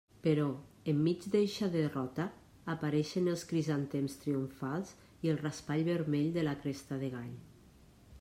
Però, enmig d'eixa derrota, apareixen els crisantems triomfals i el raspall vermell de la cresta de gall.